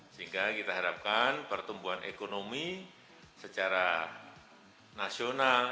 sehingga kita harapkan pertumbuhan ekonomi secara nasional